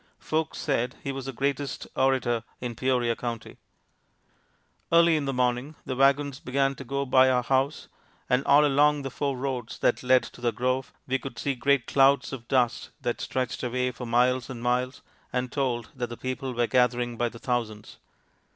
Folks said he was the greatest orator in Peoria County. Early in the morning the wagons began to go by our house, and all along the four roads that led to the grove we could see great clouds of dust that stretched away for miles and miles and told that the people were gathering by the thousands.